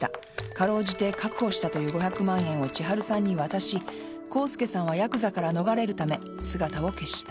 かろうじて確保したという５００万円を千春さんに渡し浩介さんはヤクザから逃れるため姿を消した。